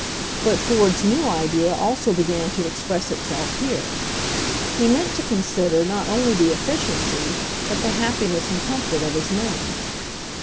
But Ford's new idea also began to express it self here. He meant to consider not only the efficiency but the happiness and comfort of his men.